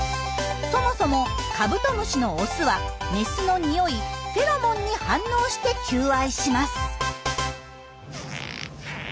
そもそもカブトムシのオスはメスのにおいフェロモンに反応して求愛します。